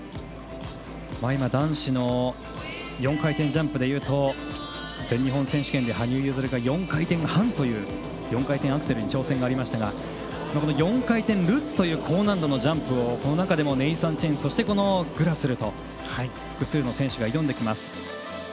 今、男子の４回転ジャンプですと全日本選手権で羽生結弦が４回転半という４回転アクセルの挑戦がありましたが４回転ルッツという高難度のジャンプをこの中でもネイサン・チェンそしてグラスルと複数の選手が挑んできます。